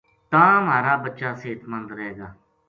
تاں مھارا بچا صحت مند رہ گا